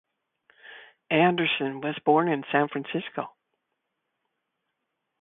Anderson was born in San Francisco.